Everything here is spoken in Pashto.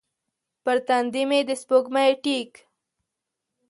پر تندې مې د سپوږمۍ ټیک